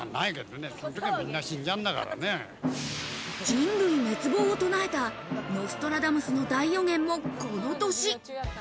人類滅亡を唱えたノストラダムスの大予言もこの年。